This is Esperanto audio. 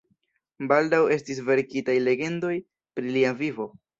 Baldaŭ estis verkitaj legendoj pri lia vivo.